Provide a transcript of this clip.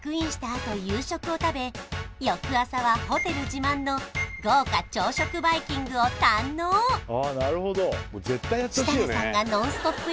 あと夕食を食べ翌朝はホテル自慢の豪華朝食バイキングを堪能設楽さんが「ノンストップ！」